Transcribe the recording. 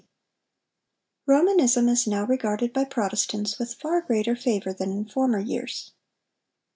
] Romanism is now regarded by Protestants with far greater favor than in former years.